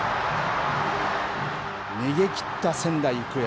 逃げきった仙台育英。